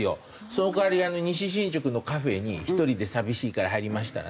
その代わり西新宿のカフェに１人で寂しいから入りましたらね